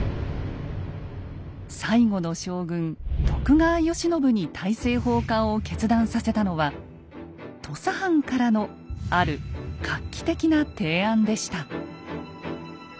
最後の将軍徳川慶喜に大政奉還を決断させたのは土佐藩からのある画期的な提案でした。